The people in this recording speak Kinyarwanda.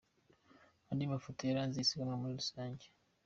Andi mafoto yaranze isiganwa muri rusange.